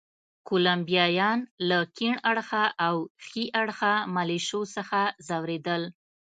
کولمبیایان له کیڼ اړخه او ښي اړخه ملېشو څخه ځورېدل.